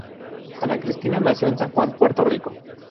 Ana Cristina nació en San Juan, Puerto Rico.